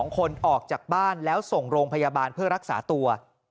๒คนออกจากบ้านแล้วส่งโรงพยาบาลเพื่อรักษาตัว